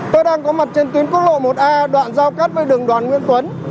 tôi đang có mặt trên tuyến quốc lộ một a đoạn giao cắt với đường đoàn nguyễn tuấn